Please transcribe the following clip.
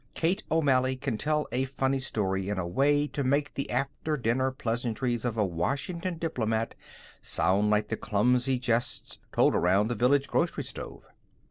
Kate O'Malley can tell a funny story in a way to make the after dinner pleasantries of a Washington diplomat sound like the clumsy jests told around the village grocery stove.